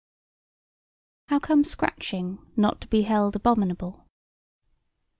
How came scratching not to be held abominable?